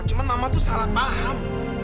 cuma mama tuh salah paham